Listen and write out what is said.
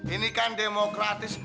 ini kan demokratis